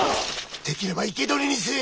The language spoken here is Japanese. できれば生け捕りにせえ。